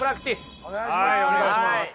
お願いします。